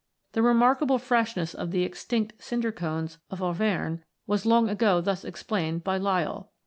The re markable freshness of the extinct "cinder cones" of Auvergne was long ago thus explained by Lyell.